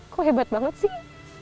kok hebat banget sih